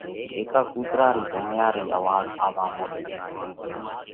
هيڪا ڪُوترا رئہ ڀونهيا رئِي آواز آوَوا مڏئِي۔